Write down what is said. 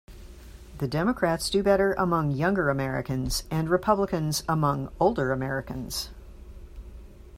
The Democrats do better among younger Americans and Republicans among older Americans.